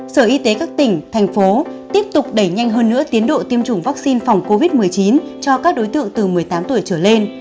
sở y tế các tỉnh thành phố tiếp tục đẩy nhanh hơn nữa tiến độ tiêm chủng vaccine phòng covid một mươi chín cho các đối tượng từ một mươi tám tuổi trở lên